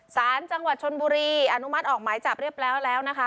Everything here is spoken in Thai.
สารจังหวัดชนบุรีอนุมัติออกหมายจับเรียบร้อยแล้วนะคะ